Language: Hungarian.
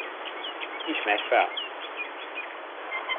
Ismerj fel!